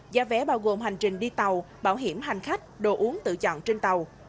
giá vé bao gồm hành trình đi tàu bảo hiểm hành khách đồ uống tự chọn trên tàu